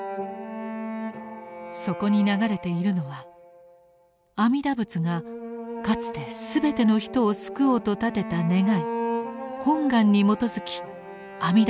そこに流れているのは阿弥陀仏がかつて全ての人を救おうと立てた願い「本願」に基づき阿弥陀